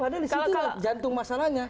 padahal disitu jantung masalahnya